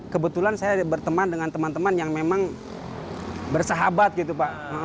kebetulan saya berteman dengan teman teman yang memang bersahabat gitu pak